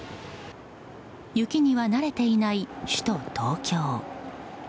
雪には慣れていない首都・東京。